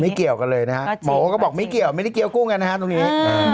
ไม่เกี่ยวกันเลยนะฮะหมอก็บอกไม่เกี่ยวกุ้งกันนะฮะตรงนี้